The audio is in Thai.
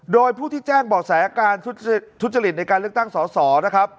โดยผู้ที่แจ้งบ่อแสการทุจริตในการเลือกตั้งสอสอนะครับ